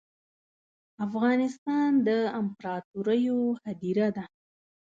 افغانستان ده امپراتوریو هدیره ده